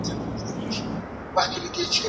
په پټه او ښکاره نیکي وکړئ.